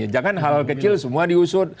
jangan hal hal kecil semua diusut